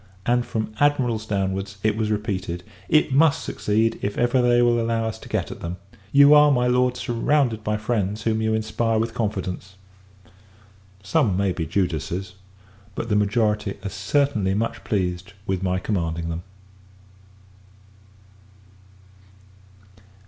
and, from Admirals downwards, it was repeated "It must succeed, if ever they will allow us to get at them! You are, my Lord, surrounded by friends whom you inspire with confidence." Some may be Judas's; but the majority are certainly much pleased with my commanding them.